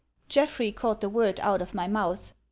Jeffrey caught the word out of my mouth.